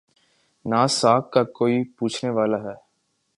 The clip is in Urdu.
نہ ساکھ کا کوئی پوچھنے والا ہے۔